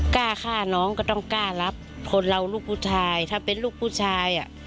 กล้าฆ่าน้องก็ต้องกล้ารับคนเราลูกผู้ชายถ้าเป็นลูกผู้ชายอ่ะ